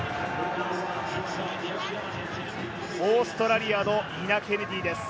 オーストラリアのニナ・ケネディです。